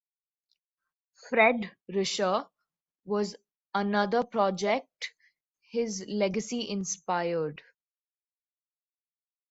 'Fred' Risher, was another project his legacy inspired.